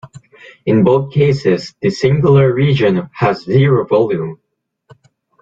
In both cases, the singular region has zero volume.